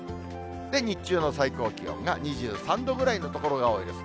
で、日中の最高気温が２３度ぐらいの所が多いです。